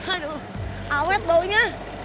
aduh awet baunya